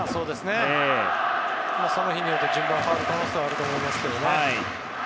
その日によって順番が変わる可能性はあると思います。